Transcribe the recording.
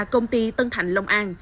công ty tân thạnh long an